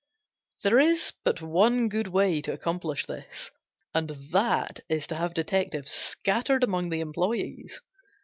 There is but one good way to accomplish this, and that is to have detectives scattered among the employes.